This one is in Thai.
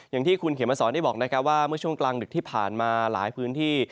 อย่างที่คุณเขมสอนได้บอกนะครับว่าเมื่อช่วงกลางดึกที่ผ่านมาหลายพื้นที่